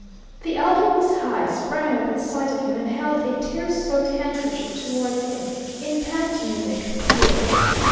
The elder Miss Hyde sprang up at sight of him and held a tear soaked handkerchief towards him in pantomimic appeal.